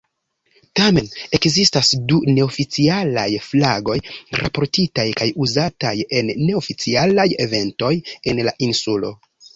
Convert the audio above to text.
Tamen, ekzistas du neoficialaj flagoj raportitaj kaj uzataj en neoficialaj eventoj en la insulo.